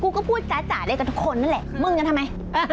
ก็พูดจ้าจ๋าเล่นกับทุกคนนั่นแหละมึงกันทำไม